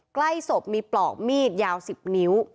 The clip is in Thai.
ใกล้ศพมีปลอกมีดยาว๑๐นิ้ว